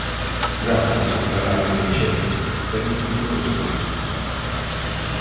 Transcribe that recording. Grazas, señora Gaio Teixedo, ten outro tuno despois.